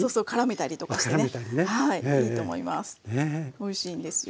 おいしいんですよ。